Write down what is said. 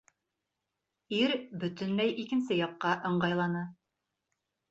Ир бөтөнләй икенсе яҡҡа ыңғайланы.